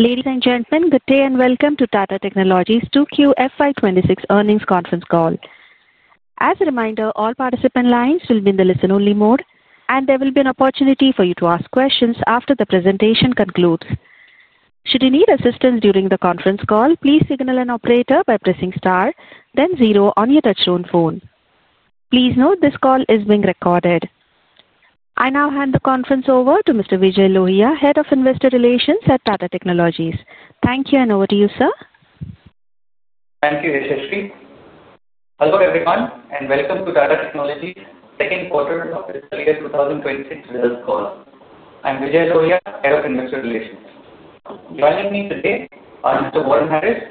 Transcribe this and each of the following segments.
Ladies and gentlemen, good day and welcome to Tata Technologies' 2Q FY 2026 earnings conference call. As a reminder, all participant lines will be in the listen-only mode, and there will be an opportunity for you to ask questions after the presentation concludes. Should you need assistance during the conference call, please signal an operator by pressing star, then zero on your touch-tone phone. Please note this call is being recorded. I now hand the conference over to Mr. Vijay Lohia, Head of Investor Relations at Tata Technologies. Thank you, and over to you, sir. Thank you, Yasheshri. Hello everyone, and welcome to Tata Technologies' second quarter of fiscal year 2026 results call. I'm Vijay Lohia, Head of Investor Relations. Joining me today are Mr. Warren Harris,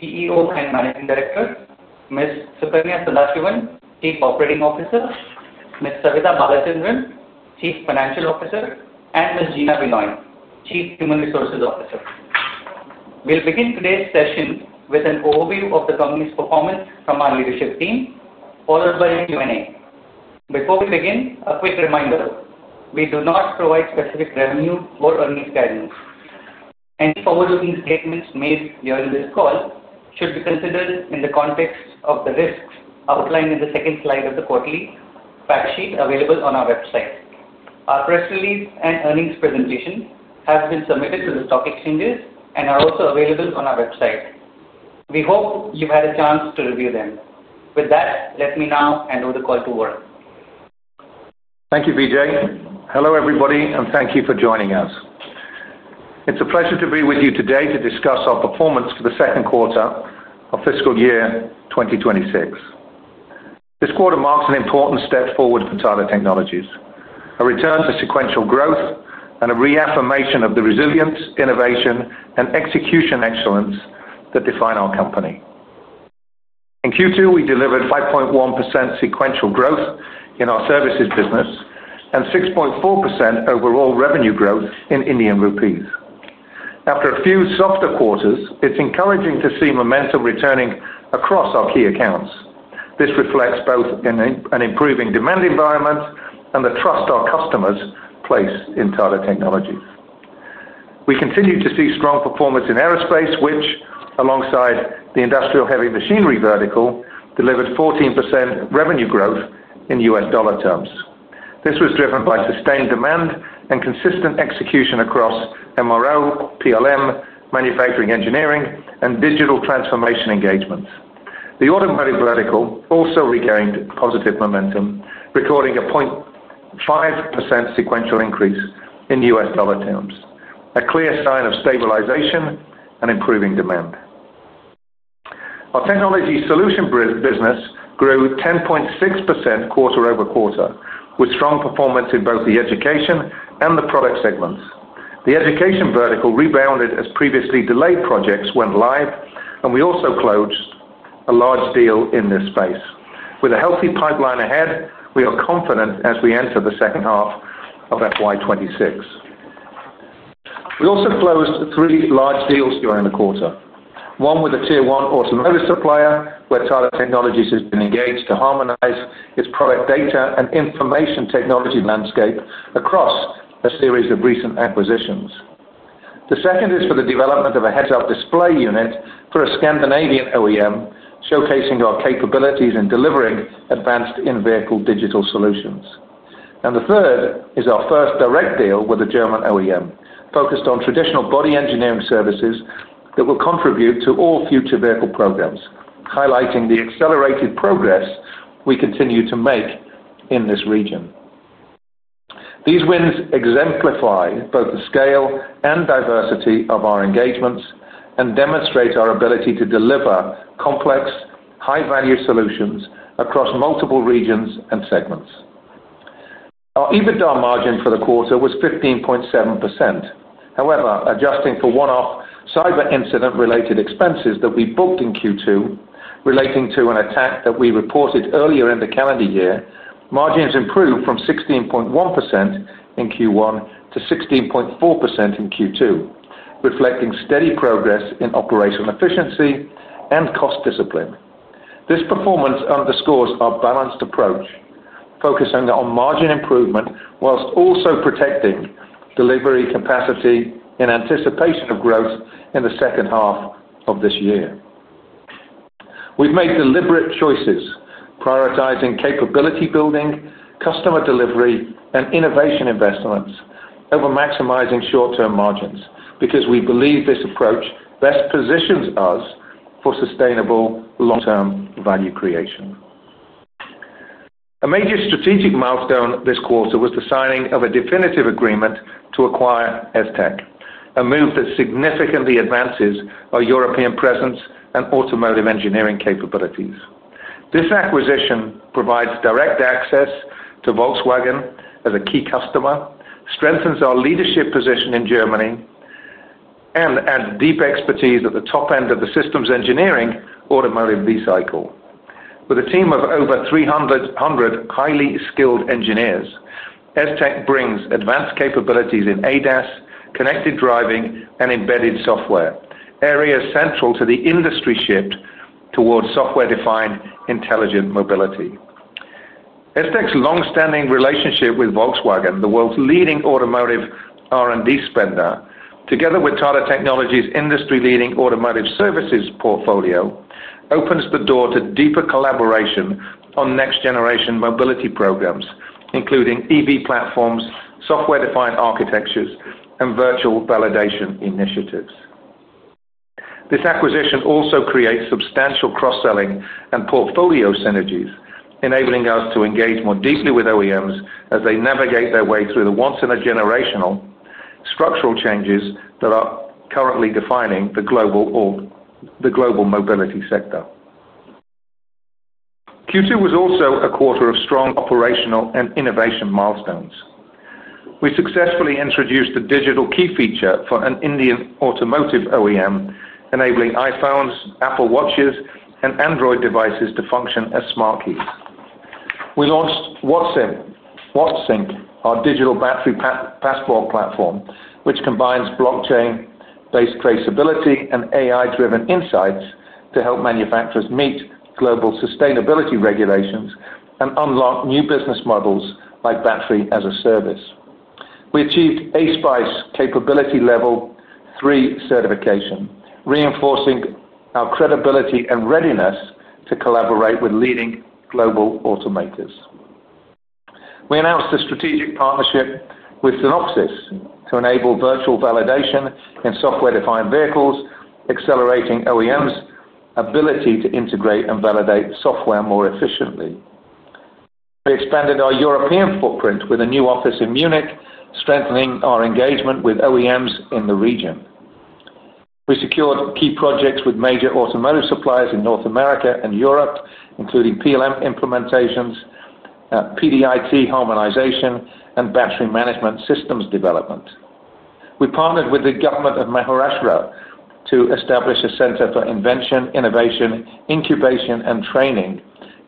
CEO and Managing Director, Ms. Sukanya Sadasivan, Chief Operating Officer, Ms. Savitha Balachandran, Chief Financial Officer, and Ms. Geena Binoy, Chief Human Resources Officer. We'll begin today's session with an overview of the company's performance from our leadership team, followed by a Q&A. Before we begin, a quick reminder: we do not provide specific revenue or earnings guidance. Any forward-looking statements made during this call should be considered in the context of the risks outlined in the second slide of the quarterly fact sheet available on our website. Our press release and earnings presentation have been submitted to the stock exchanges and are also available on our website. We hope you've had a chance to review them. With that, let me now hand over the call to Warren. Thank you, Vijay. Hello everybody, and thank you for joining us. It's a pleasure to be with you today to discuss our performance for the second quarter of fiscal year 2026. This quarter marks an important step forward for Tata Technologies: a return to sequential growth and a reaffirmation of the resilience, innovation, and execution excellence that define our company. In Q2, we delivered 5.1% sequential growth in our services business and 6.4% overall revenue growth in Indian rupees. After a few softer quarters, it's encouraging to see momentum returning across our key accounts. This reflects both an improving demand environment and the trust our customers place in Tata Technologies. We continue to see strong performance in aerospace, which, alongside the industrial heavy machinery vertical, delivered 14% revenue growth in U.S. dollar terms. This was driven by sustained demand and consistent execution across MRO, PLM, manufacturing engineering, and digital transformation engagements. The automotive vertical also regained positive momentum, recording a 0.5% sequential increase in U.S. dollar terms, a clear sign of stabilization and improving demand. Our technology solution business grew 10.6% quarter over quarter, with strong performance in both the education and the product segments. The education vertical rebounded as previously delayed projects went live, and we also closed a large deal in this space. With a healthy pipeline ahead, we are confident as we enter the second half of FY 2026. We also closed three large deals during the quarter, one with a tier-one automotive supplier where Tata Technologies has been engaged to harmonize its product data and information technology landscape across a series of recent acquisitions. The second is for the development of a heads-up display unit for a Scandinavian OEM, showcasing our capabilities in delivering advanced in-vehicle digital solutions. The third is our first direct deal with a German OEM, focused on traditional body engineering services that will contribute to all future vehicle programs, highlighting the accelerated progress we continue to make in this region. These wins exemplify both the scale and diversity of our engagements and demonstrate our ability to deliver complex, high-value solutions across multiple regions and segments. Our EBITDA margin for the quarter was 15.7%. However, adjusting for one-off cyber incident-related expenses that we booked in Q2, relating to an attack that we reported earlier in the calendar year, margins improved from 16.1% in Q1 to 16.4% in Q2, reflecting steady progress in operational efficiency and cost discipline. This performance underscores our balanced approach, focusing on margin improvement whilst also protecting delivery capacity in anticipation of growth in the second half of this year. We've made deliberate choices, prioritizing capability building, customer delivery, and innovation investments over maximizing short-term margins because we believe this approach best positions us for sustainable long-term value creation. A major strategic milestone this quarter was the signing of a definitive agreement to acquire ES-Tec, a move that significantly advances our European presence and automotive engineering capabilities. This acquisition provides direct access to Volkswagen as a key customer, strengthens our leadership position in Germany, and adds deep expertise at the top end of the systems engineering automotive V-cycle. With a team of over 300 highly skilled engineers, ES-Tec brings advanced capabilities in ADAS, connected driving, and embedded software, areas central to the industry shift towards software-defined intelligent mobility. ES-Tec's longstanding relationship with Volkswagen, the world's leading automotive R&D spender, together with Tata Technologies' industry-leading automotive services portfolio, opens the door to deeper collaboration on next-generation mobility programs, including EV platforms, software-defined architectures, and virtual validation initiatives. This acquisition also creates substantial cross-selling and portfolio synergies, enabling us to engage more deeply with OEMs as they navigate their way through the once-in-a-generational structural changes that are currently defining the global mobility sector. Q2 was also a quarter of strong operational and innovation milestones. We successfully introduced the digital key feature for an Indian automotive OEM, enabling iPhones, Apple Watches, and Android devices to function as smart keys. We launched WATTSync, our digital battery passport platform, which combines blockchain-based traceability and AI-driven insights to help manufacturers meet global sustainability regulations and unlock new business models like battery as a service. We achieved A-SPICE Capability Level 3 certification, reinforcing our credibility and readiness to collaborate with leading global automotives. We announced a strategic partnership with Synopsys to enable virtual validation in software-defined vehicles, accelerating OEMs' ability to integrate and validate software more efficiently. We expanded our European footprint with a new office in Munich, strengthening our engagement with OEMs in the region. We secured key projects with major automotive suppliers in North America and Europe, including PLM implementations, product data harmonization, and battery management systems development. We partnered with the government of Maharashtra to establish a center for invention, innovation, incubation, and training,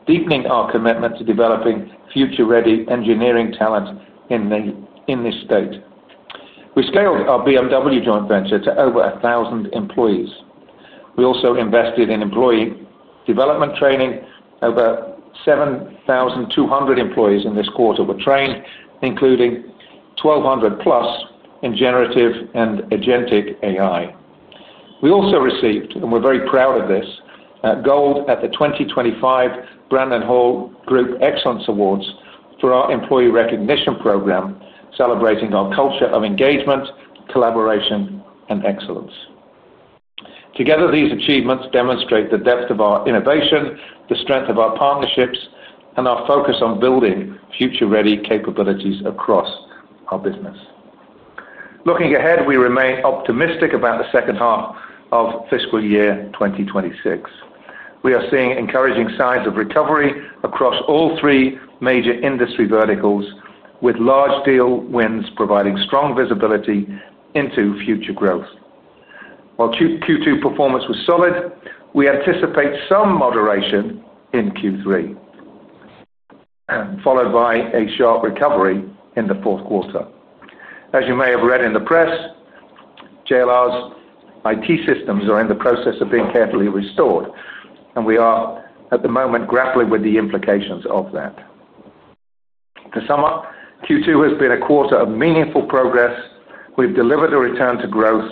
deepening our commitment to developing future-ready engineering talent in this state. We scaled our BMW joint venture to over 1,000 employees. We also invested in employee development training. Over 7,200 employees in this quarter were trained, including 1,200+ in generative and agentic AI. We also received, and we're very proud of this, gold at the 2025 Brandon Hall Group Excellence Awards for our employee recognition program, celebrating our culture of engagement, collaboration, and excellence. Together, these achievements demonstrate the depth of our innovation, the strength of our partnerships, and our focus on building future-ready capabilities across our business. Looking ahead, we remain optimistic about the second half of fiscal year 2026. We are seeing encouraging signs of recovery across all three major industry verticals, with large deal wins providing strong visibility into future growth. While Q2 performance was solid, we anticipate some moderation in Q3, followed by a sharp recovery in the fourth quarter. As you may have read in the press, JLR's IT systems are in the process of being carefully restored, and we are, at the moment, grappling with the implications of that. To sum up, Q2 has been a quarter of meaningful progress. We've delivered a return to growth,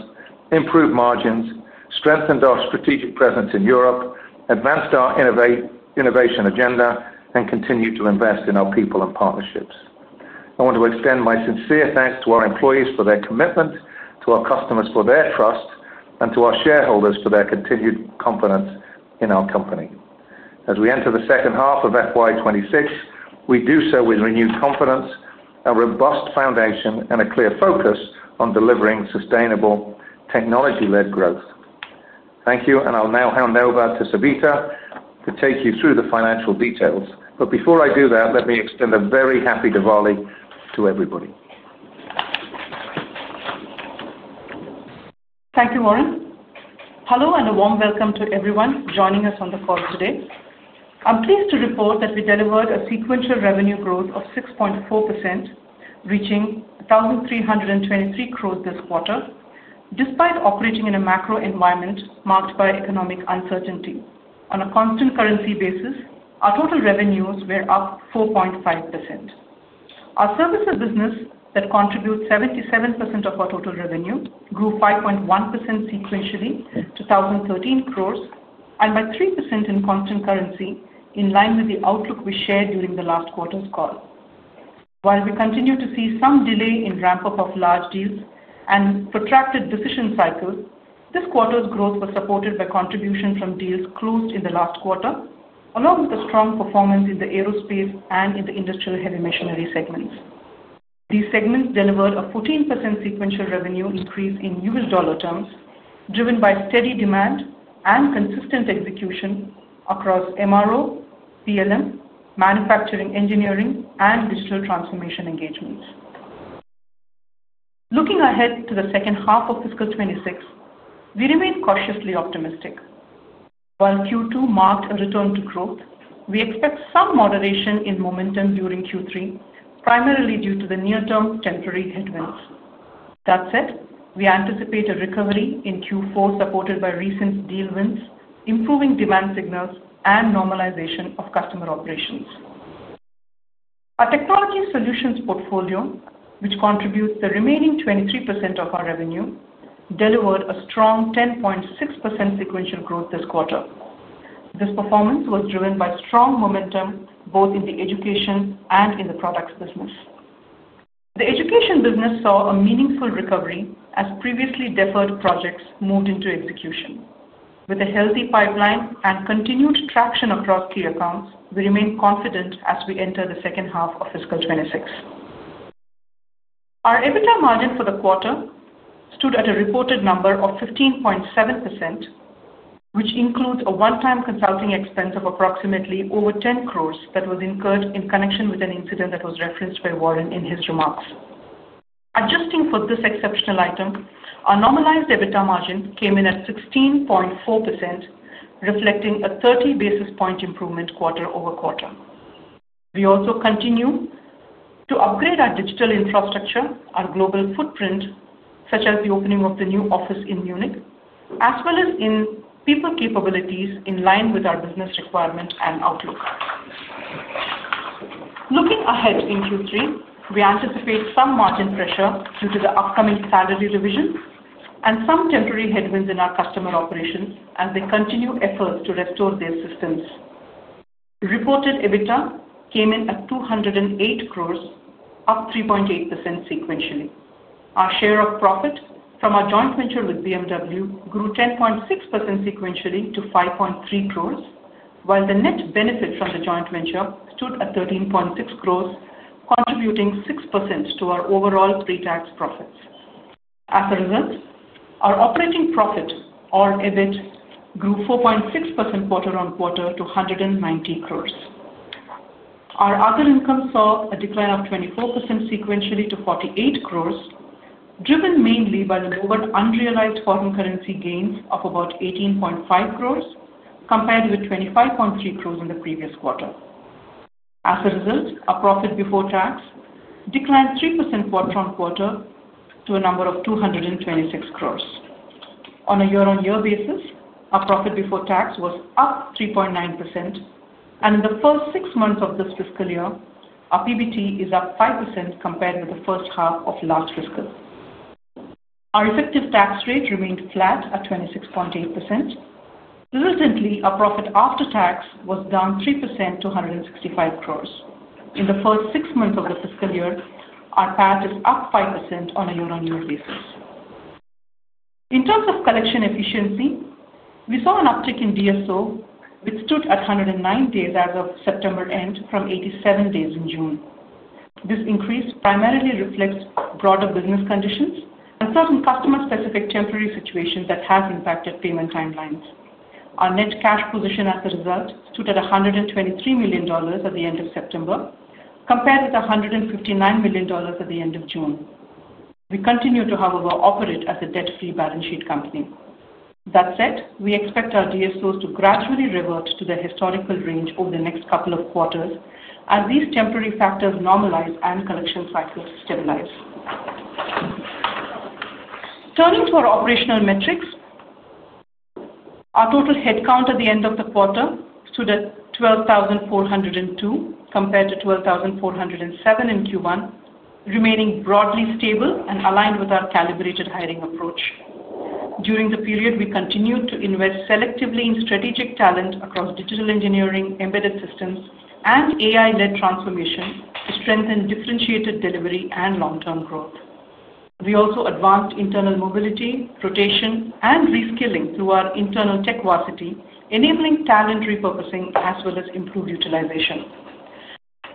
improved margins, strengthened our strategic presence in Europe, advanced our innovation agenda, and continued to invest in our people and partnerships. I want to extend my sincere thanks to our employees for their commitment, to our customers for their trust, and to our shareholders for their continued confidence in our company. As we enter the second half of FY 2026, we do so with renewed confidence, a robust foundation, and a clear focus on delivering sustainable technology-led growth. Thank you, and I'll now hand over to Savitha to take you through the financial details. Before I do that, let me extend a very happy Diwali to everybody. Thank you, Warren. Hello and a warm welcome to everyone joining us on the call today. I'm pleased to report that we delivered a sequential revenue growth of 6.4%, reaching 1,323 crore this quarter, despite operating in a macro environment marked by economic uncertainty. On a constant currency basis, our total revenues were up 4.5%. Our services business, that contributes 77% of our total revenue, grew 5.1% sequentially to 1,013 crore and by 3% in constant currency, in line with the outlook we shared during the last quarter's call. While we continue to see some delay in ramp-up of large deals and protracted decision cycles, this quarter's growth was supported by contributions from deals closed in the last quarter, along with a strong performance in the aerospace and in the industrial heavy machinery segments. These segments delivered a 14% sequential revenue increase in U.S. dollar terms, driven by steady demand and consistent execution across MRO, PLM, manufacturing engineering, and digital transformation engagements. Looking ahead to the second half of fiscal 2026, we remain cautiously optimistic. While Q2 marked a return to growth, we expect some moderation in momentum during Q3, primarily due to the near-term temporary headwinds. That said, we anticipate a recovery in Q4 supported by recent deal wins, improving demand signals, and normalization of customer operations. Our technology solutions portfolio, which contributes the remaining 23% of our revenue, delivered a strong 10.6% sequential growth this quarter. This performance was driven by strong momentum both in the education and in the products business. The education business saw a meaningful recovery as previously deferred projects moved into execution. With a healthy pipeline and continued traction across key accounts, we remain confident as we enter the second half of fiscal 2026. Our EBITDA margin for the quarter stood at a reported number of 15.7%, which includes a one-time consulting expense of approximately over 10 crore that was incurred in connection with an incident that was referenced by Warren in his remarks. Adjusting for this exceptional item, our normalized EBITDA margin came in at 16.4%, reflecting a 30 basis point improvement quarter over quarter. We also continue to upgrade our digital infrastructure, our global footprint, such as the opening of the new office in Munich, as well as in people capabilities in line with our business requirement and outlook. Looking ahead in Q3, we anticipate some margin pressure due to the upcoming salary revision and some temporary headwinds in our customer operations as they continue efforts to restore their systems. Reported EBITDA came in at 208 crore, up 3.8% sequentially. Our share of profit from our joint venture with BMW grew 10.6% sequentially to 5.3 crore, while the net benefit from the joint venture stood at 13.6 crore, contributing 6% to our overall pre-tax profits. As a result, our operating profit or EBIT grew 4.6% quarter on quarter to 190 crore. Our other income saw a decline of 24% sequentially to 48 crore, driven mainly by the lowered unrealized foreign currency gains of about 18.5 crore compared with 25.3 crore in the previous quarter. As a result, our profit before tax declined 3% quarter on quarter to a number of 226 crore. On a year-on-year basis, our profit before tax was up 3.9%, and in the first six months of this fiscal year, our PBT is up 5% compared with the first half of last fiscal. Our effective tax rate remained flat at 26.8%. Recently, our profit after tax was down 3% to 165 crore. In the first six months of the fiscal year, our PAT is up 5% on a year-on-year basis. In terms of collection efficiency, we saw an uptick in DSO, which stood at 109 days as of September end from 87 days in June. This increase primarily reflects broader business conditions and certain customer-specific temporary situations that have impacted payment timelines. Our net cash position, as a result, stood at $123 million at the end of September, compared with $159 million at the end of June. We continue to, however, operate as a debt-free balance sheet company. That said, we expect our DSOs to gradually revert to their historical range over the next couple of quarters as these temporary factors normalize and collection cycles stabilize. Turning to our operational metrics, our total headcount at the end of the quarter stood at 12,402 compared to 12,407 in Q1, remaining broadly stable and aligned with our calibrated hiring approach. During the period, we continued to invest selectively in strategic talent across digital engineering, embedded systems, and AI-led transformation to strengthen differentiated delivery and long-term growth. We also advanced internal mobility, rotation, and reskilling through our internal tech university, enabling talent repurposing as well as improved utilization.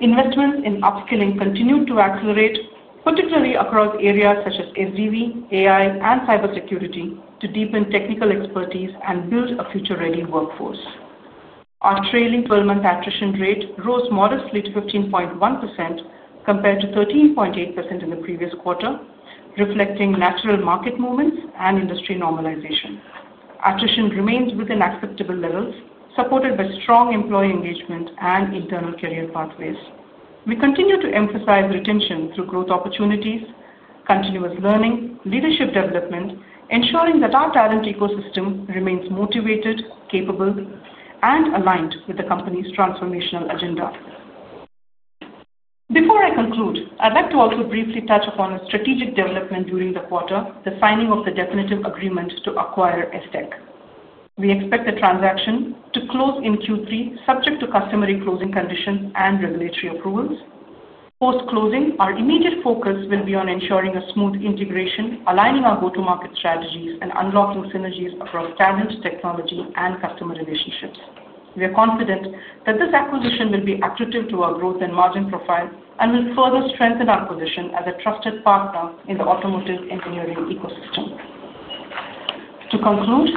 Investments in upskilling continued to accelerate, particularly across areas such as SDV, AI, and cybersecurity, to deepen technical expertise and build a future-ready workforce. Our trailing 12-month attrition rate rose modestly to 15.1% compared to 13.8% in the previous quarter, reflecting natural market movements and industry normalization. Attrition remains within acceptable levels, supported by strong employee engagement and internal career pathways. We continue to emphasize retention through growth opportunities, continuous learning, and leadership development, ensuring that our talent ecosystem remains motivated, capable, and aligned with the company's transformational agenda. Before I conclude, I'd like to also briefly touch upon a strategic development during the quarter, the signing of the definitive agreement to acquire ES-Tec. We expect the transaction to close in Q3, subject to customary closing conditions and regulatory approvals. Post-closing, our immediate focus will be on ensuring a smooth integration, aligning our go-to-market strategies, and unlocking synergies across talent, technology, and customer relationships. We are confident that this acquisition will be attractive to our growth and margin profile and will further strengthen our position as a trusted partner in the automotive engineering ecosystem. To conclude,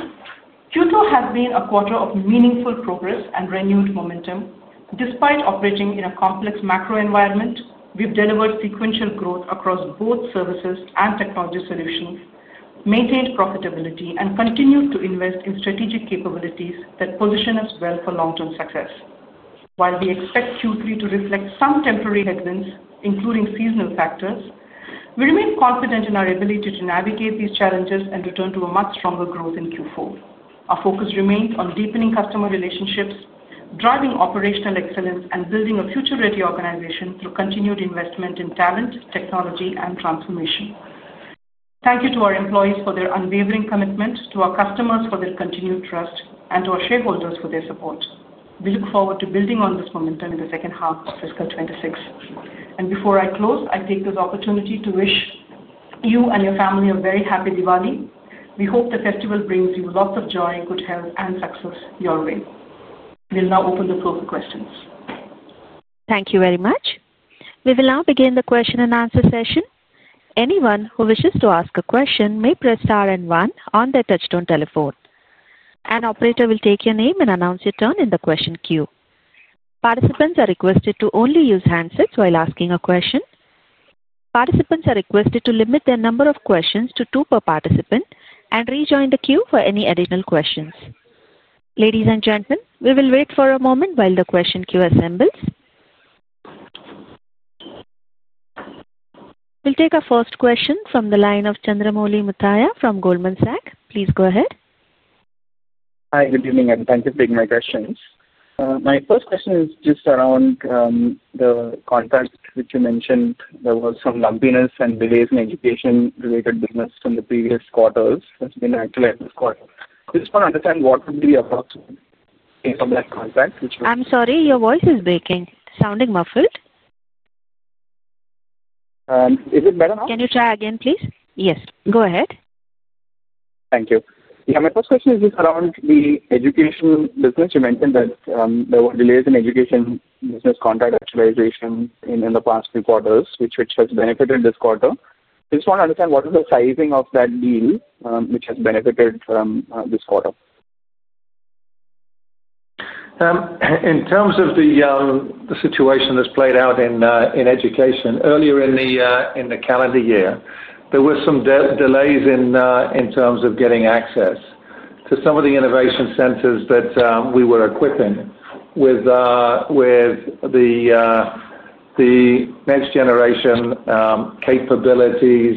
Q2 has been a quarter of meaningful progress and renewed momentum. Despite operating in a complex macro environment, we've delivered sequential growth across both services and technology solutions, maintained profitability, and continued to invest in strategic capabilities that position us well for long-term success. While we expect Q3 to reflect some temporary headwinds, including seasonal factors, we remain confident in our ability to navigate these challenges and return to a much stronger growth in Q4. Our focus remains on deepening customer relationships, driving operational excellence, and building a future-ready organization through continued investment in talent, technology, and transformation. Thank you to our employees for their unwavering commitment, to our customers for their continued trust, and to our shareholders for their support. We look forward to building on this momentum in the second half of fiscal 2026. Before I close, I take this opportunity to wish you and your family a very happy Diwali. We hope the festival brings you lots of joy, good health, and success your way. We'll now open the floor for questions. Thank you very much. We will now begin the question and answer session. Anyone who wishes to ask a question may press star and one on their touch-tone telephone. An operator will take your name and announce your turn in the question queue. Participants are requested to only use handsets while asking a question. Participants are requested to limit their number of questions to two per participant and rejoin the queue for any additional questions. Ladies and gentlemen, we will wait for a moment while the question queue assembles. We'll take our first question from the line of Chandramouli Muthiah from Goldman Sachs. Please go ahead. Hi, good evening, and thank you for taking my questions. My first question is just around the contracts which you mentioned. There was some lumpiness and delays in education-related business from the previous quarters. That's been an issue this quarter. I just want to understand what would be the approximate case of that contract which was. I'm sorry, your voice is breaking, sounding muffled. Is it better now? Can you try again, please? Yes, go ahead. Thank you. My first question is just around the education business. You mentioned that there were delays in education business contract actualization in the past few quarters, which has benefited this quarter. I just want to understand what is the sizing of that deal which has benefited this quarter. In terms of the situation that's played out in education, earlier in the calendar year, there were some delays in terms of getting access to some of the innovation centers that we were equipping with the next-generation capabilities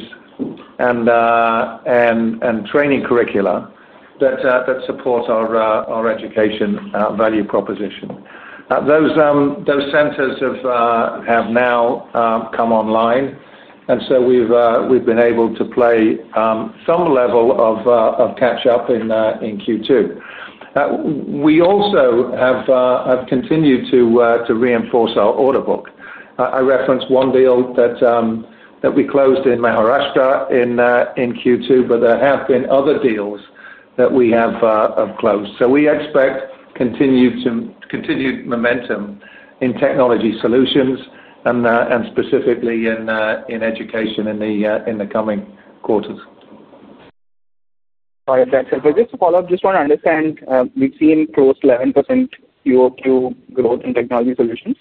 and training curricula that support our education value proposition. Those centers have now come online, and we've been able to play some level of catch-up in Q2. We also have continued to reinforce our order book. I referenced one deal that we closed in Maharashtra in Q2, but there have been other deals that we've closed. We expect continued momentum in technology solutions and specifically in education in the coming quarters. All right, thanks. Just to follow up, I just want to understand, we've seen close to 11% Q2 growth in technology solutions.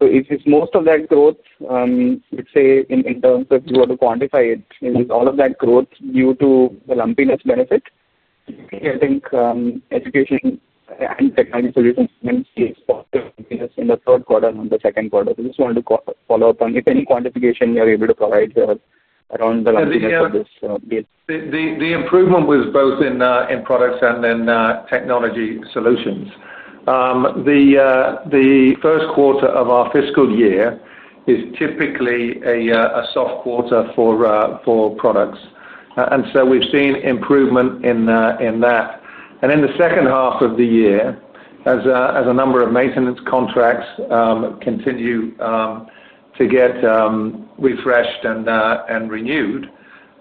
Is most of that growth, let's say, in terms of if you were to quantify it, is all of that growth due to the lumpiness benefit? I think education and technology solutions tend to spot the lumpiness in the third quarter and the second quarter. I just wanted to follow up on if any quantification you're able to provide around the lumpiness of this deal. The improvement was both in products and in technology solutions. The first quarter of our fiscal year is typically a soft quarter for products, and we've seen improvement in that. In the second half of the year, as a number of maintenance contracts continue to get refreshed and renewed,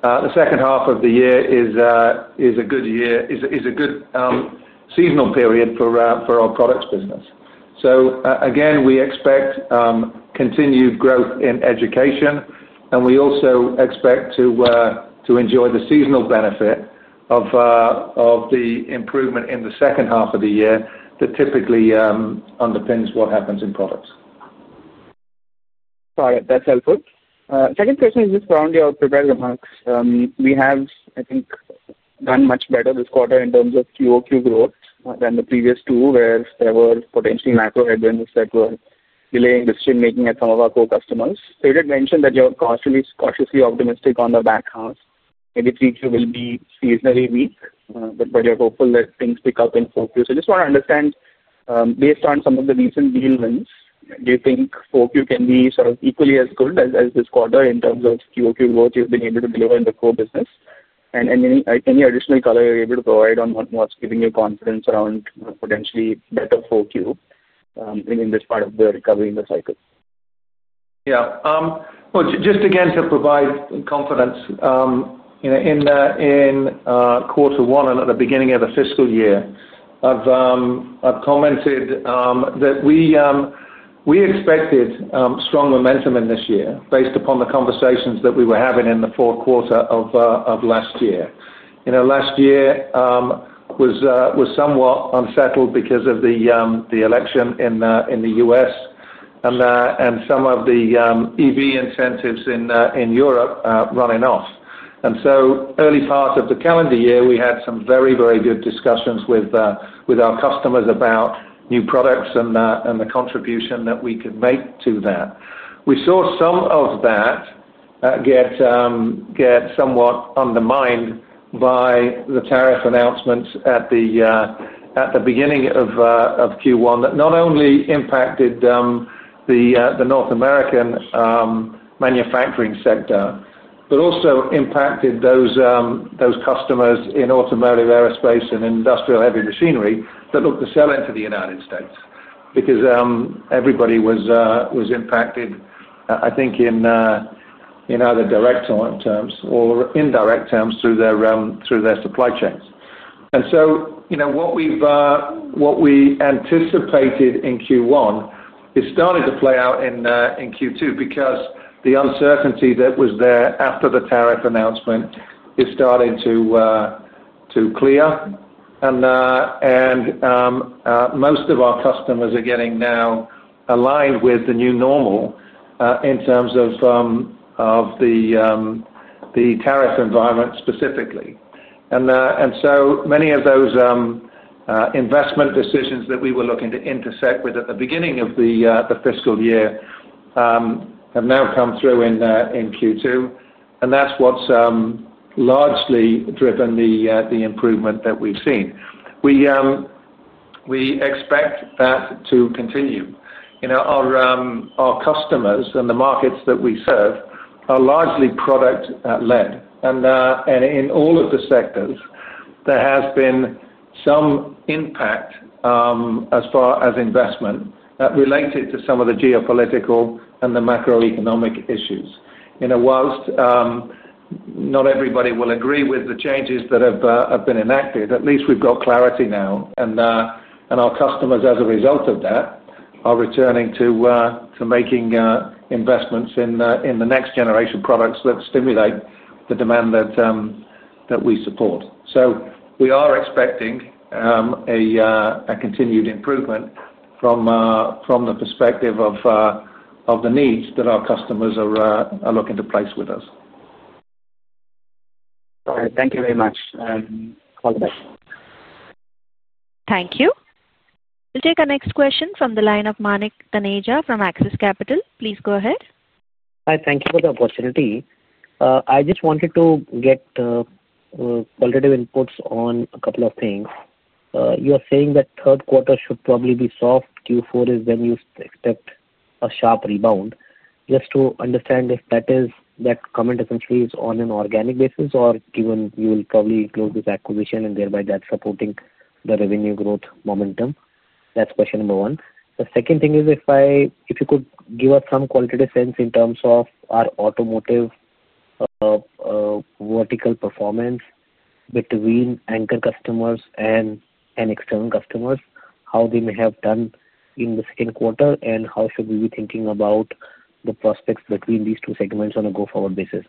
the second half of the year is a good seasonal period for our products business. We expect continued growth in education, and we also expect to enjoy the seasonal benefit of the improvement in the second half of the year that typically underpins what happens in products. All right, that's helpful. Second question is just around your prepared remarks. We have, I think, done much better this quarter in terms of Q2 growth than the previous two, where there were potentially macro headwinds that were delaying decision-making at some of our core customers. You did mention that you're cautiously optimistic on the back half, maybe Q3 will be seasonally weak, but you're hopeful that things pick up in Q4. I just want to understand, based on some of the recent deal wins, do you think Q4 can be sort of equally as good as this quarter in terms of Q4 growth you've been able to deliver in the core business? Any additional color you're able to provide on what's giving you confidence around potentially better Q4 in this part of the recovery in the cycle? Yeah. Just again to provide confidence, in quarter one and at the beginning of the fiscal year, I've commented that we expected strong momentum in this year based upon the conversations that we were having in the fourth quarter of last year. Last year was somewhat unsettled because of the election in the U.S. and some of the EV incentives in Europe running off. Early part of the calendar year, we had some very, very good discussions with our customers about new products and the contribution that we could make to that. We saw some of that get somewhat undermined by the tariff announcements at the beginning of Q1 that not only impacted the North American manufacturing sector but also impacted those customers in automotive, aerospace, and industrial heavy machinery that looked to sell into the United States because everybody was impacted, I think, in either direct terms or indirect terms through their supply chains. What we anticipated in Q1 is starting to play out in Q2 because the uncertainty that was there after the tariff announcement is starting to clear, and most of our customers are getting now aligned with the new normal in terms of the tariff environment specifically. Many of those investment decisions that we were looking to intersect with at the beginning of the fiscal year have now come through in Q2, and that's what's largely driven the improvement that we've seen. We expect that to continue. Our customers and the markets that we serve are largely product-led, and in all of the sectors, there has been some impact as far as investment related to some of the geopolitical and the macroeconomic issues. Whilst not everybody will agree with the changes that have been enacted, at least we've got clarity now, and our customers, as a result of that, are returning to making investments in the next-generation products that stimulate the demand that we support. We are expecting a continued improvement from the perspective of the needs that our customers are looking to place with us. All right, thank you very much. Thank you. We'll take our next question from the line of Manik Taneja from Axis Capital. Please go ahead. Hi, thank you for the opportunity. I just wanted to get qualitative inputs on a couple of things. You are saying that third quarter should probably be soft. Q4 is when you expect a sharp rebound. Just to understand if that is, that comment essentially is on an organic basis or given you will probably include this acquisition and thereby that's supporting the revenue growth momentum. That's question number one. The second thing is if you could give us some qualitative sense in terms of our automotive vertical performance between anchor customers and external customers, how they may have done in the second quarter, and how should we be thinking about the prospects between these two segments on a go-forward basis?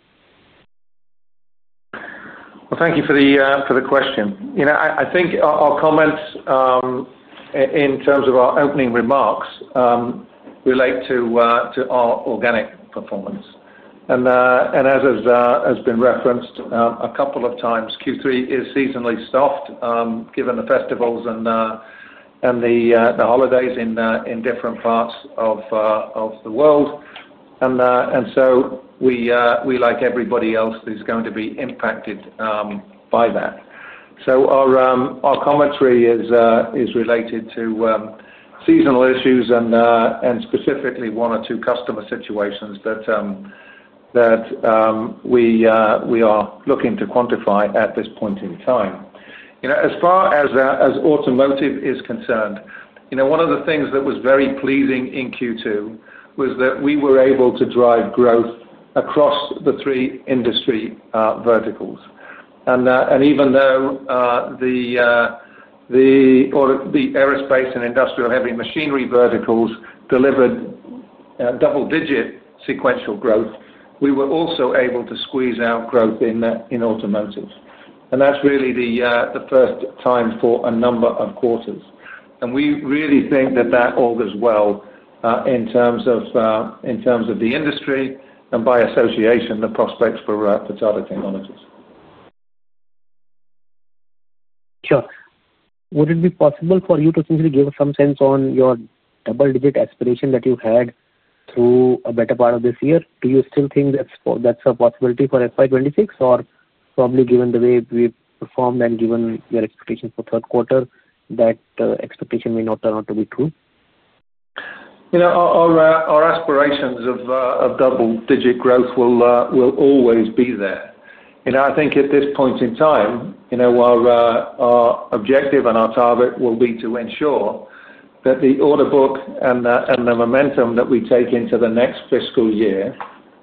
Thank you for the question. I think our comments in terms of our opening remarks relate to our organic performance. As has been referenced a couple of times, Q3 is seasonally soft, given the festivals and the holidays in different parts of the world. We, like everybody else, are going to be impacted by that. Our commentary is related to seasonal issues and specifically one or two customer situations that we are looking to quantify at this point in time. As far as automotive is concerned, one of the things that was very pleasing in Q2 was that we were able to drive growth across the three industry verticals. Even though the aerospace and industrial heavy machinery verticals delivered double-digit sequential growth, we were also able to squeeze out growth in automotive. That's really the first time for a number of quarters. We really think that that augurs well in terms of the industry and by association, the prospects for Tata Technologies. Sure. Would it be possible for you to essentially give us some sense on your double-digit aspiration that you had through a better part of this year? Do you still think that's a possibility for FY 2026, or probably given the way we've performed and given your expectation for third quarter, that expectation may not turn out to be true? You know. Our aspirations of double-digit growth will always be there. I think at this point in time, our objective and our target will be to ensure that the order book and the momentum that we take into the next fiscal year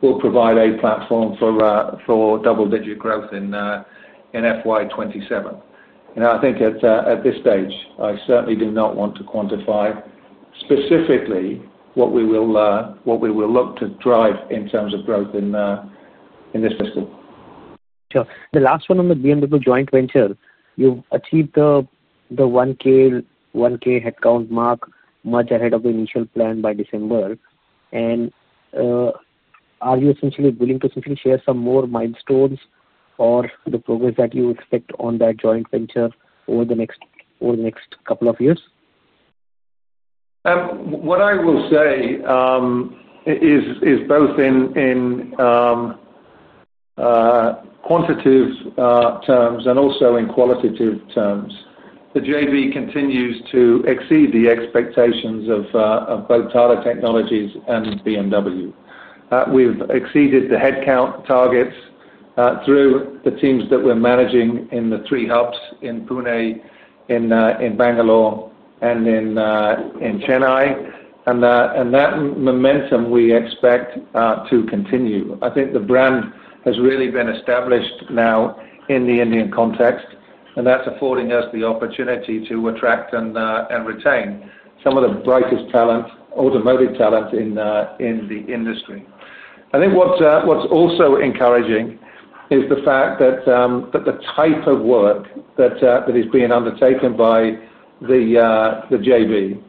will provide a platform for double-digit growth in FY 2027. I think at this stage, I certainly do not want to quantify specifically what we will look to drive in terms of growth in this fiscal. Sure. The last one on the BMW joint venture, you've achieved the 1,000 headcount mark much ahead of the initial plan by December. Are you willing to share some more milestones or the progress that you expect on that joint venture over the next couple of years? What I will say is both in quantitative terms and also in qualitative terms, the JV continues to exceed the expectations of both Tata Technologies and BMW. We've exceeded the headcount targets through the teams that we're managing in the three hubs: in Pune, in Bangalore, and in Chennai. That momentum we expect to continue. I think the brand has really been established now in the Indian context, and that's affording us the opportunity to attract and retain some of the brightest automotive talent in the industry. What's also encouraging is the fact that the type of work that is being undertaken by the JV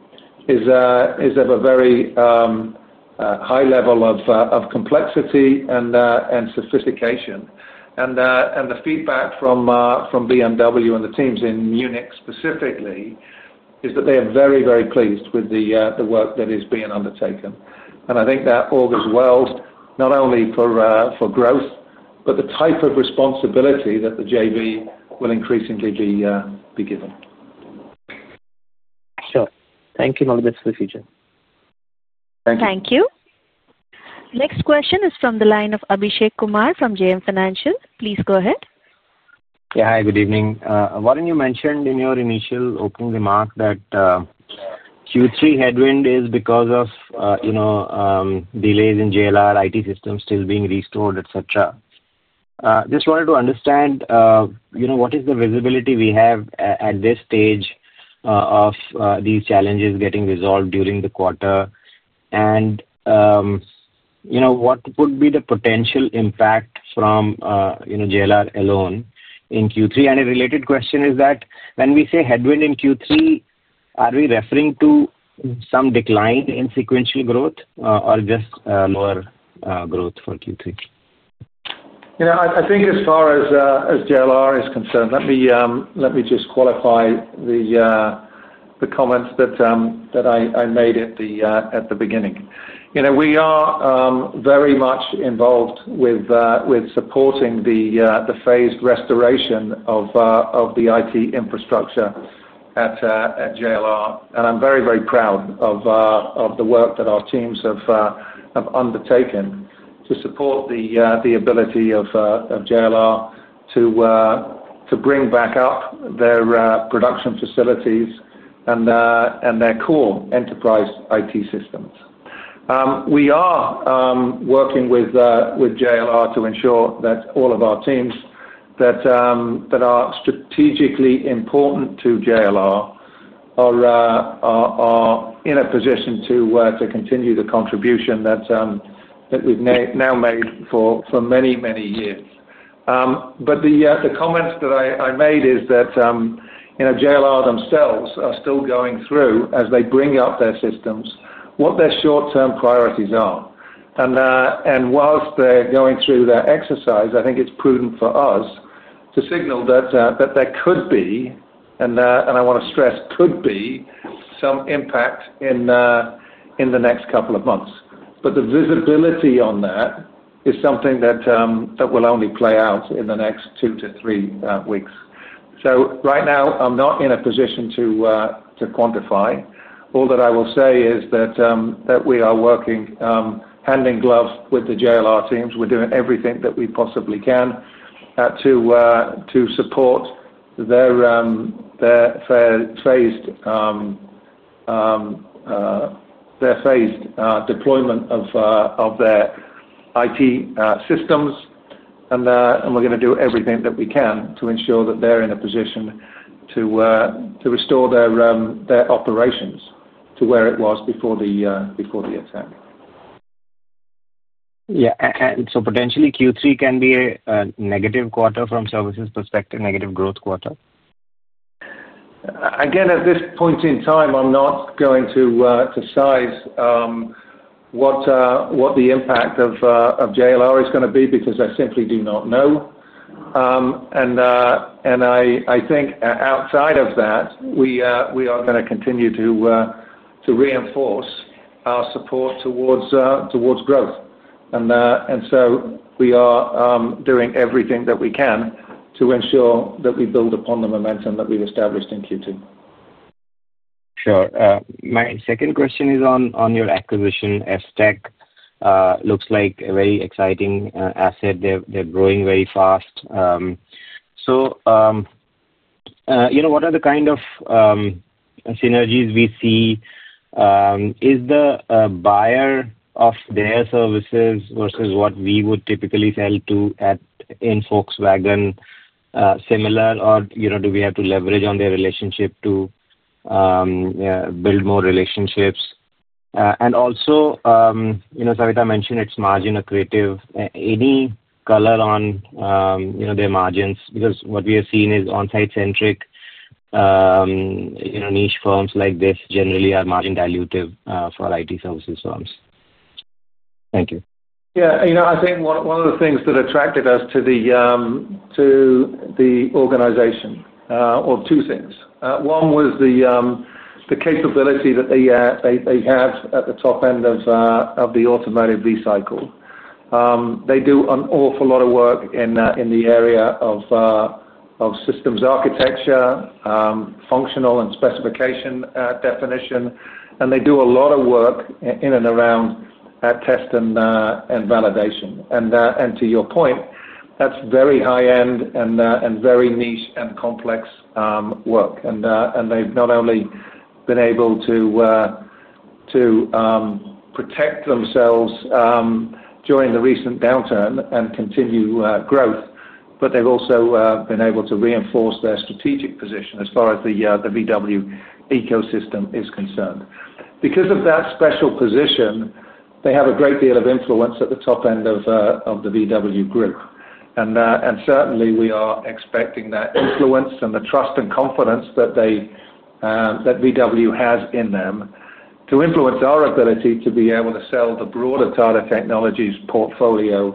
is of a very high level of complexity and sophistication. The feedback from BMW and the teams in Munich specifically is that they are very, very pleased with the work that is being undertaken. I think that augurs well not only for growth but the type of responsibility that the JV will increasingly be given. Sure. Thank you and all the best for the future. Thank you. Thank you. Next question is from the line of Abhishek Kumar from JM Financial. Please go ahead. Yeah, hi, good evening. Warren, you mentioned in your initial opening remark that Q3 headwind is because of delays in JLR, IT systems still being restored, etc. I just wanted to understand what is the visibility we have at this stage of these challenges getting resolved during the quarter? What would be the potential impact from JLR alone in Q3? A related question is that when we say headwind in Q3, are we referring to some decline in sequential growth or just lower growth for Q3? I think as far as JLR is concerned, let me just qualify the comments that I made at the beginning. We are very much involved with supporting the phased restoration of the IT infrastructure at JLR, and I'm very, very proud of the work that our teams have undertaken to support the ability of JLR to bring back up their production facilities and their core enterprise IT systems. We are working with JLR to ensure that all of our teams that are strategically important to JLR are in a position to continue the contribution that we've now made for many, many years. The comments that I made are that JLR themselves are still going through, as they bring up their systems, what their short-term priorities are. Whilst they're going through that exercise, I think it's prudent for us to signal that there could be, and I want to stress could be, some impact in the next couple of months. The visibility on that is something that will only play out in the next two to three weeks. Right now, I'm not in a position to quantify. All that I will say is that we are working hand in glove with the JLR teams. We're doing everything that we possibly can to support their phased deployment of their IT systems, and we're going to do everything that we can to ensure that they're in a position to restore their operations to where it was before the attack. Yeah, so potentially Q3 can be a negative quarter from a services perspective, negative growth quarter? At this point in time, I'm not going to size what the impact of JLR is going to be because I simply do not know. Outside of that, we are going to continue to reinforce our support towards growth, and we are doing everything that we can to ensure that we build upon the momentum that we've established in Q2. Sure. My second question is on your acquisition. ES-Tec looks like a very exciting asset. They're growing very fast. What are the kind of synergies we see? Is the buyer of their services versus what we would typically sell to at in Volkswagen similar? Do we have to leverage on their relationship to build more relationships? Savitha mentioned it's margin accretive. Any color on their margins? What we are seeing is on-site-centric niche firms like this generally are margin dilutive for IT services firms. Thank you. Yeah, I think one of the things that attracted us to the organization were two things. One was the capability that they have at the top end of the automotive V-cycle. They do an awful lot of work in the area of systems architecture, functional and specification definition, and they do a lot of work in and around test and validation. To your point, that's very high-end and very niche and complex work. They've not only been able to protect themselves during the recent downturn and continue growth, but they've also been able to reinforce their strategic position as far as the Volkswagen ecosystem is concerned. Because of that special position, they have a great deal of influence at the top end of the Volkswagen group. Certainly, we are expecting that influence and the trust and confidence that Volkswagen has in them to influence our ability to be able to sell the broader Tata Technologies portfolio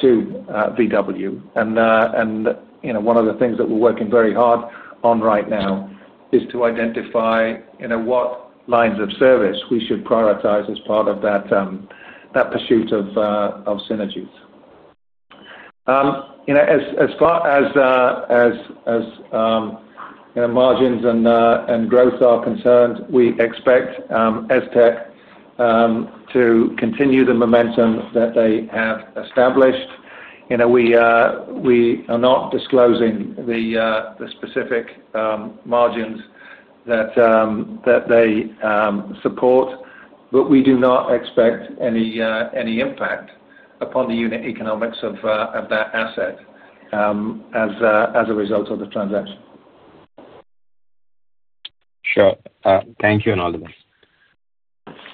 to Volkswagen. One of the things that we're working very hard on right now is to identify what lines of service we should prioritize as part of that pursuit of synergies. As far as margins and growth are concerned, we expect ES-Tec to continue the momentum that they have established. We are not disclosing the specific margins that they support, but we do not expect any impact upon the unit economics of that asset as a result of the transaction. Sure. Thank you and all the best.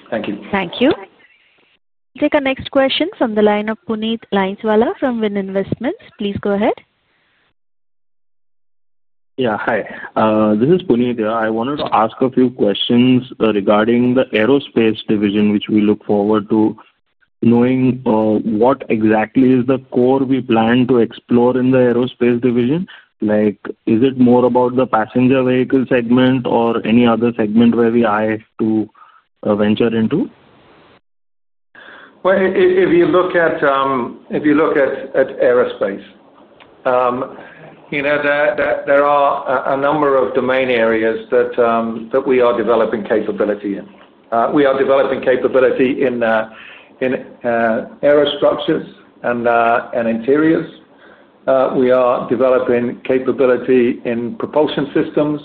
Thank you. Thank you. We'll take our next question from the line of Puneet Lainswala from WIN Investments. Please go ahead. Yeah, hi. This is Puneet here. I wanted to ask a few questions regarding the aerospace division, which we look forward to knowing what exactly is the core we plan to explore in the aerospace division. Like, is it more about the passenger vehicle segment or any other segment where we eye to venture into? If you look at aerospace, you know, there are a number of domain areas that we are developing capability in. We are developing capability in aero structures and interiors. We are developing capability in propulsion systems.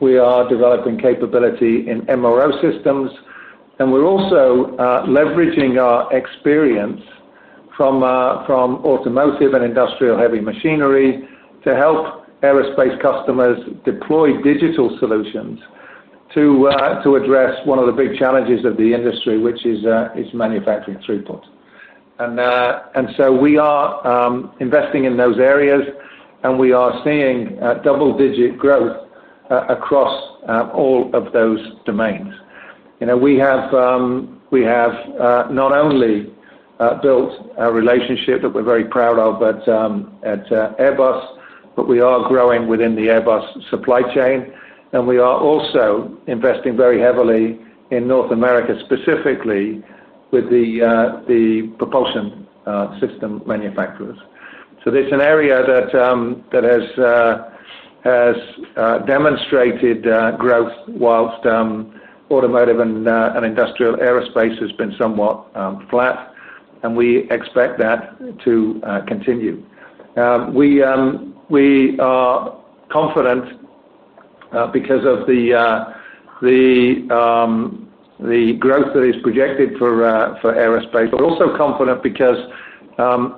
We are developing capability in MRO systems. We're also leveraging our experience from automotive and industrial heavy machinery to help aerospace customers deploy digital solutions to address one of the big challenges of the industry, which is manufacturing throughput. We are investing in those areas, and we are seeing double-digit growth across all of those domains. You know, we have not only built a relationship that we're very proud of at Airbus, but we are growing within the Airbus supply chain. We are also investing very heavily in North America, specifically with the propulsion system manufacturers. This is an area that has demonstrated growth whilst automotive and industrial aerospace has been somewhat flat, and we expect that to continue. We are confident because of the growth that is projected for aerospace, but we're also confident because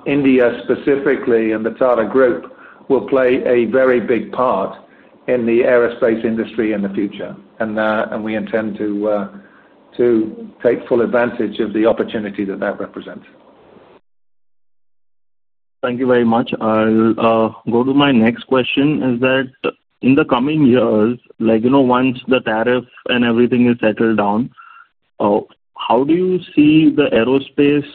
India specifically and the Tata Group will play a very big part in the aerospace industry in the future. We intend to take full advantage of the opportunity that that represents. Thank you very much. I'll go to my next question. In the coming years, once the tariff and everything is settled down, how do you see the aerospace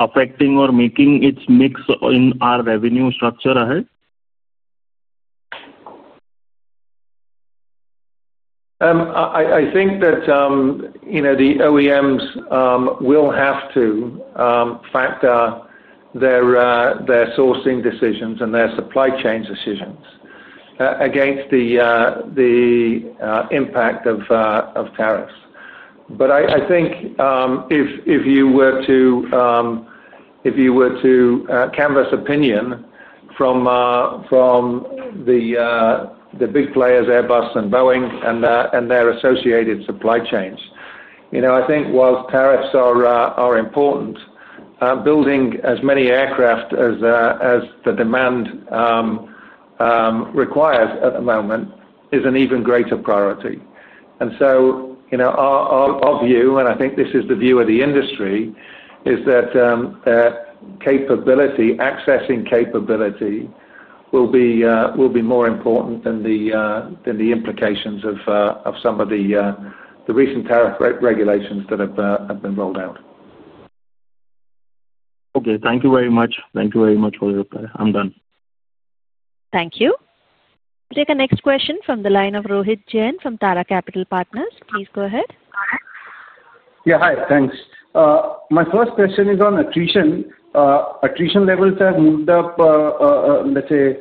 affecting or making its mix in our revenue structure ahead? I think that the OEMs will have to factor their sourcing decisions and their supply chain decisions against the impact of tariffs. I think if you were to canvas opinion from the big players, Airbus and Boeing, and their associated supply chains, whilst tariffs are important, building as many aircraft as the demand requires at the moment is an even greater priority. Our view, and I think this is the view of the industry, is that accessing capability will be more important than the implications of some of the recent tariff regulations that have been rolled out. Okay, thank you very much. Thank you very much for your reply. I'm done. Thank you. We'll take our next question from the line of Rohit Jain from Tara Capital Partners. Please go ahead. Yeah, hi, thanks. My first question is on attrition. Attrition levels have moved up, let's say,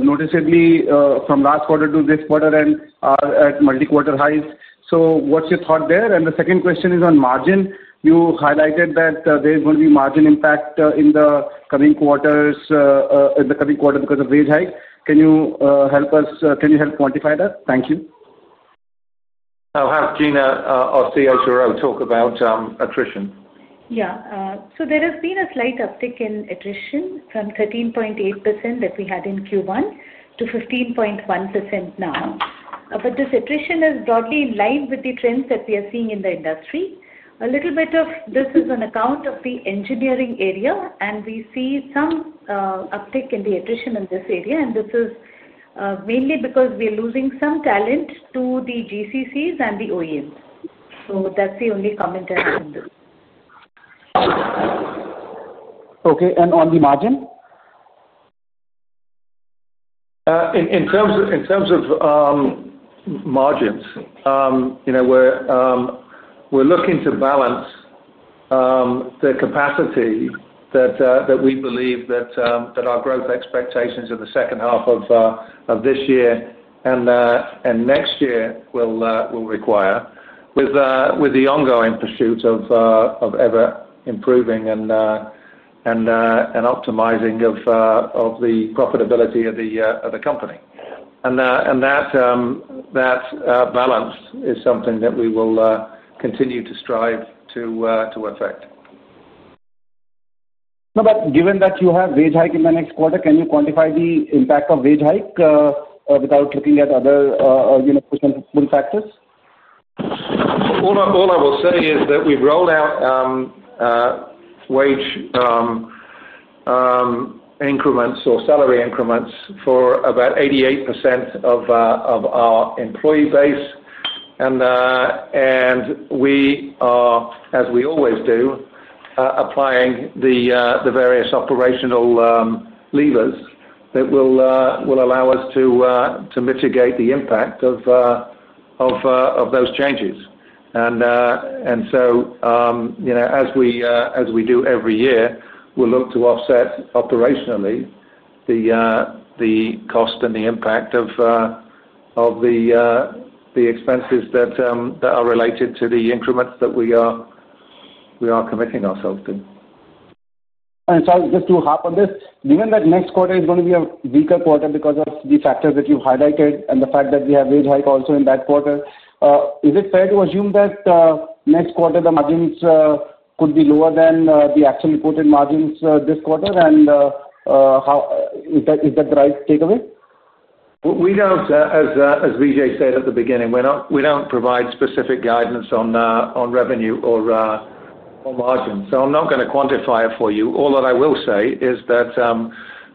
noticeably from last quarter to this quarter and are at multi-quarter highs. What's your thought there? The second question is on margin. You highlighted that there's going to be margin impact in the coming quarters because of wage hike. Can you help us quantify that? Thank you. I'll have Geena or Savitha or I talk about attrition. Yeah, so there has been a slight uptick in attrition from 13.8% that we had in Q1 to 15.1% now. This attrition is broadly in line with the trends that we are seeing in the industry. A little bit of this is on account of the engineering area, and we see some uptick in the attrition in this area. This is mainly because we are losing some talent to the GCCs and the OEMs. That's the only comment I have on this. Okay, and on the margin? In terms of margins, we're looking to balance the capacity that we believe that our growth expectations in the second half of this year and next year will require, with the ongoing pursuit of ever improving and optimizing of the profitability of the company. That balance is something that we will continue to strive to affect. No, but given that you have wage hike in the next quarter, can you quantify the impact of wage hike without looking at other, you know, push and pull factors? All I will say is that we've rolled out wage increments or salary increments for about 88% of our employee base. We are, as we always do, applying the various operational levers that will allow us to mitigate the impact of those changes. As we do every year, we'll look to offset operationally the cost and the impact of the expenses that are related to the increments that we are committing ourselves to. Sorry, just to hop on this, given that next quarter is going to be a weaker quarter because of the factors that you've highlighted and the fact that we have wage hike also in that quarter, is it fair to assume that next quarter the margins could be lower than the actual reported margins this quarter? Is that the right takeaway? As Vijay said at the beginning, we don't provide specific guidance on revenue or margins, so I'm not going to quantify it for you. All that I will say is that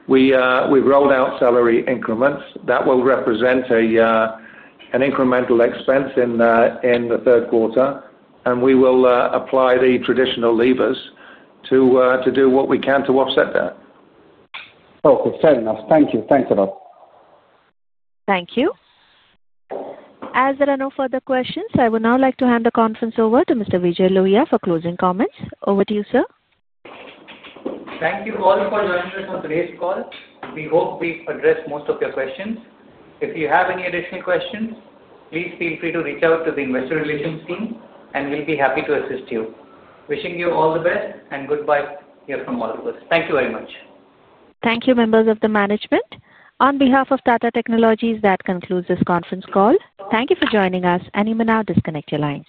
we've rolled out salary increments that will represent an incremental expense in the third quarter, and we will apply the traditional levers to do what we can to offset that. Okay, fair enough. Thank you. Thanks a lot. Thank you. As there are no further questions, I would now like to hand the conference over to Mr. Vijay Lohia for closing comments. Over to you, sir. Thank you all for joining us on today's call. We hope we've addressed most of your questions. If you have any additional questions, please feel free to reach out to the investor relations team, and we'll be happy to assist you. Wishing you all the best and goodbye from all of us. Thank you very much. Thank you, members of the management. On behalf of Tata Technologies, that concludes this conference call. Thank you for joining us, and you may now disconnect your lines.